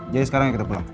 jadi sekarang kita pulang